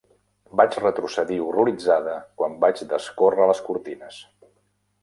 Vaig retrocedir horroritzada quan vaig descórrer les cortines.